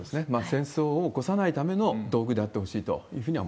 戦争を起こさないための道具であってほしいとい